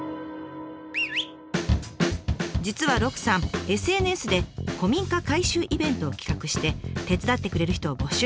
実は鹿さんＳＮＳで古民家改修イベントを企画して手伝ってくれる人を募集。